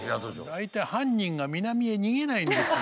大体犯人が南へ逃げないんですよ。